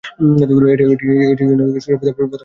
এটি জন্য তার প্রথম সুরারোপিত অ্যানিমেশন চলচ্চিত্র।